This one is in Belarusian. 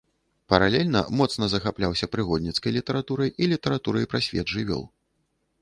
Паралельна моцна захапляўся прыгодніцкай літаратурай і літаратурай пра свет жывёл.